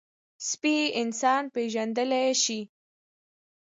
سپي انسان پېژندلی شي.